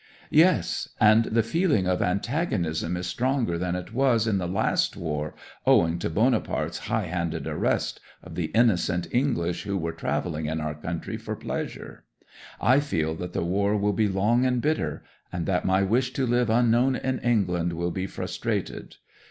'"Yes; and the feeling of antagonism is stronger than it was in the last war, owing to Bonaparte's high handed arrest of the innocent English who were travelling in our country for pleasure. I feel that the war will be long and bitter; and that my wish to live unknown in England will be frustrated.